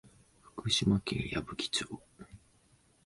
福島県矢吹町